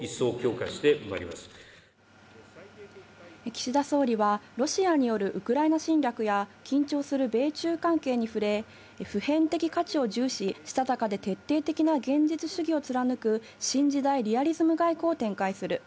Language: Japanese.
岸田総理はロシアによるウクライナ侵略や緊張する米中関係に触れ、普遍的価値を重視し、したたかで徹底的な現実主義を貫く新時代リアリズム外交を展開する。